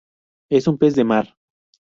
Es un pez de mar